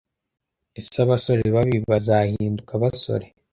Ese abasore babi bazahinduka abasore